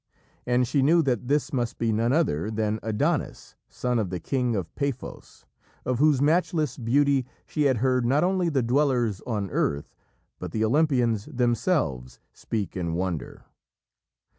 And she knew that this must be none other than Adonis, son of the king of Paphos, of whose matchless beauty she had heard not only the dwellers on earth, but the Olympians themselves speak in wonder.